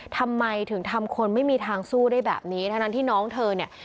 ทำไมถึงทำคนไม่มีทางสู้ได้แบบนี้ทั้งนั้นที่น้องเธอเนี่ย